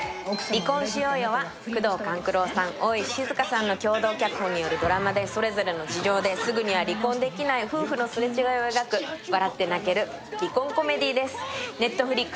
「離婚しようよ」は宮藤官九郎さん、大石静さんの共同脚本によるドラマでそれぞれの事情で、すぐには離婚できない夫婦のすれ違いを描く、笑って泣ける離婚コメディーです。